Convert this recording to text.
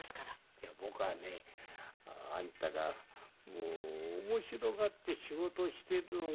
いや僕はねあんたが面白がって仕事してるのが分かるんだよ。